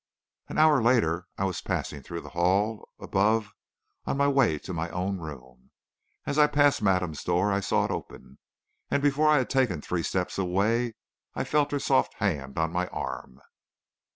An hour later I was passing through the hall above on my way to my own room. As I passed madame's door, I saw it open, and before I had taken three steps away I felt her soft hand on my arm.